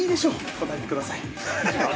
答えてください。